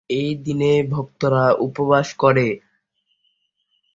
Agriculture is the primary occupation of the inhabitants.